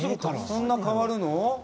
そんな変わるの？